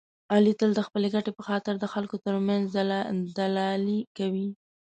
علي تل د خپلې ګټې په خاطر د خلکو ترمنځ دلالي کوي.